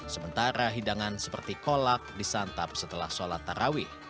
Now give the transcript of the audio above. sementara hidangan seperti kolak disantap setelah sholat tarawih